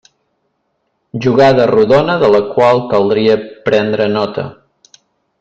Jugada rodona, de la qual caldria prendre nota.